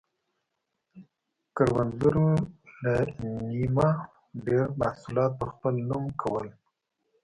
کروندګرو له نییمه ډېر محصولات په خپل نوم کول.